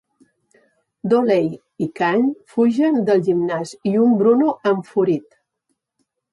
Dooley i Kane fugen del gimnàs i un Bruno Enfurit.